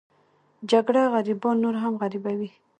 جګړه غریبان نور هم غریبوي